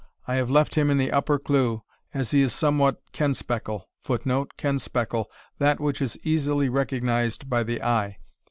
I have left him in the upper cleugh, as he is somewhat kenspeckle, [Footnote: Kenspeckle that which is easily recognized by the eye.